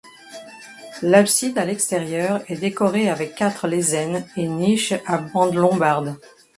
L'abside à l'extérieur est décorée avec quatre lésènes et niches à bande lombarde.